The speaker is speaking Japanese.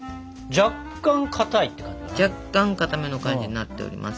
若干かための感じになっております。